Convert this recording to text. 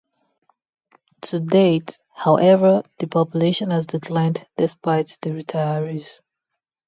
To date, however, the population has declined despite the retirees.